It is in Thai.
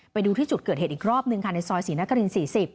ไปดูที่จุดเกิดเหตุอีกรอบหนึ่งค่ะในซอยศรีนคริน๔๐